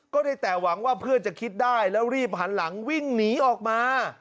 ก็ได้แต่หวังว่าเพื่อนจะคิดได้แล้วรีบหันหลังวิ่งหนีออกมา